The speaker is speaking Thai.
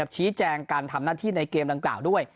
ชี้แจงการทำหน้าที่ในเกมดังกล่าวด้วย